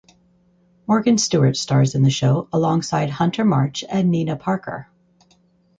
Morgan Stewart stars in the show alongside Hunter March and Nina Parker.